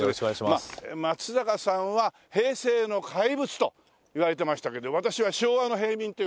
松坂さんは平成の怪物といわれてましたけど私は昭和の平民という事でね。